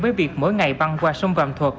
với việc mỗi ngày băng qua sông vạm thuật